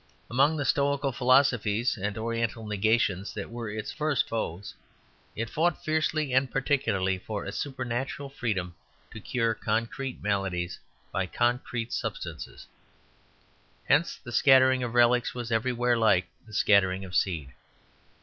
Among the stoical philosophies and oriental negations that were its first foes it fought fiercely and particularly for a supernatural freedom to cure concrete maladies by concrete substances. Hence the scattering of relics was everywhere like the scattering of seed.